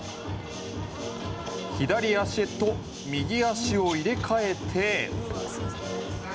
左足と右足を入れ替えて。